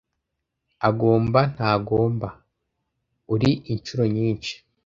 "Agomba, ntagomba, uri inshuro nyinshi